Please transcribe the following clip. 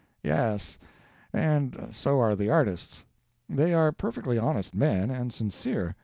"Yes, and so are the artists. They are perfectly honest men, and sincere.